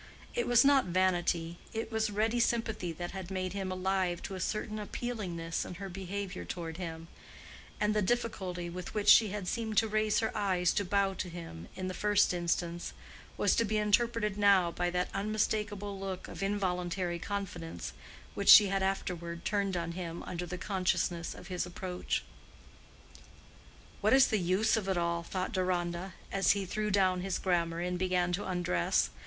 It was not vanity—it was ready sympathy that had made him alive to a certain appealingness in her behavior toward him; and the difficulty with which she had seemed to raise her eyes to bow to him, in the first instance, was to be interpreted now by that unmistakable look of involuntary confidence which she had afterward turned on him under the consciousness of his approach. "What is the use of it all?" thought Deronda, as he threw down his grammar, and began to undress.